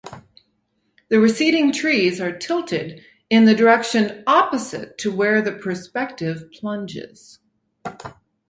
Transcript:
The receding trees are tilted in the direction opposite to where the perspective plunges.